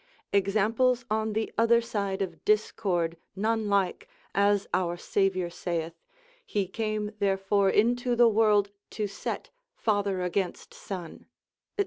Examples on the other side of discord none like, as our Saviour saith, he came therefore into the world to set father against son, &c.